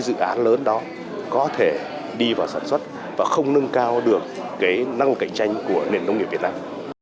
dự án lớn đó có thể đi vào sản xuất và không nâng cao được năng lực cạnh tranh của nền nông nghiệp việt nam